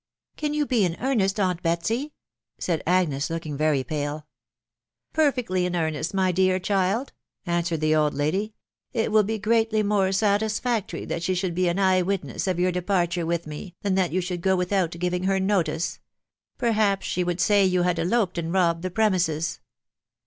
" Can yon be in earnest, annt Betsy ? n said Agnes, looking very pale. " Perfectly in earnest, my dear cmld, answered the old lady. u It will he greatly more satisfactory that she should be an eye witness of your departure with me, than that you should go without giving her notice. ... Perhaps she would say you had eloped and robbed the premises."